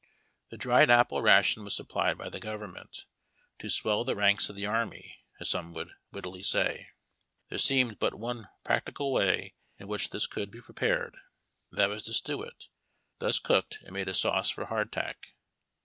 The dried apple ration was supplied by the government, " to swell the ranks of the army," as some one wittily said. There seemed but one practicable way in which this could be prepared, and that was to stew it; thus cooked it made a sauce for hardtack.